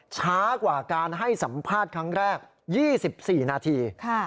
ช้ากว่าการให้สัมภาษณ์ครั้งแรก๒๔นาที